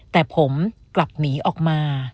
แต่ผมกลับหนีออกมา